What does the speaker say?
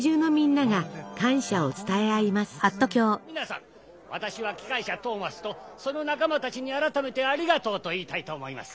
皆さん私は機関車トーマスとその仲間たちに改めて「ありがとう」と言いたいと思います。